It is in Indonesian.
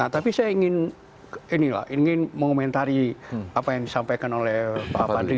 tapi saya ingin mengomentari apa yang disampaikan oleh pak padri